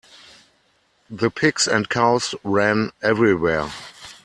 The pigs and cows ran everywhere.